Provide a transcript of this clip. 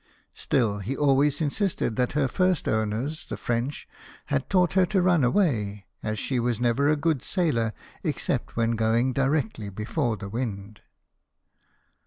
Still he always insisted that her first owners, the French, had taught her to run away, as she was never a good sailer except when going directly before the wind.